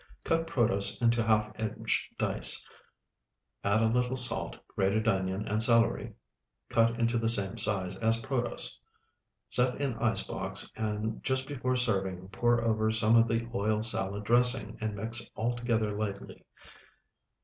Cut protose into half inch dice, add a little salt, grated onion, and celery cut into the same size as protose. Set in ice box, and just before serving pour over some of the oil salad dressing, and mix all together lightly.